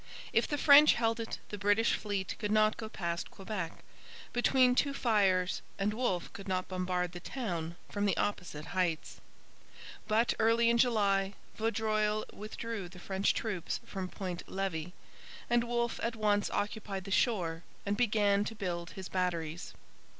If the French held it the British fleet could not go past Quebec, between two fires, and Wolfe could not bombard the town from the opposite heights. But, early in July, Vaudreuil withdrew the French troops from Point Levis, and Wolfe at once occupied the shore and began to build his batteries.